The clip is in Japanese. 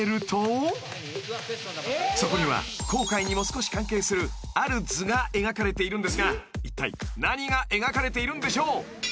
［そこには航海にも少し関係するある図が描かれているんですがいったい何が描かれているんでしょう？］